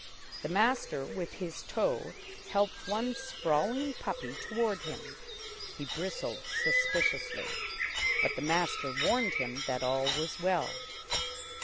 The master with his toe helped one sprawling puppy toward him. He bristled suspiciously, but the master warned him that all was well.